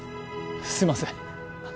すいませんあ